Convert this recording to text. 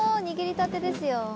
握りたてですよ。